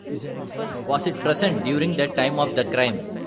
Was it present during the time of the crime?